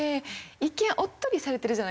一見おっとりされてるじゃないですか。